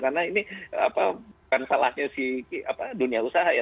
karena ini apa kan salahnya si dunia usaha ya